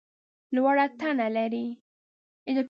لوړه تنه لرې !